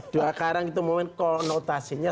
dua karang itu momen konotasinya